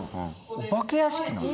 お化け屋敷なの。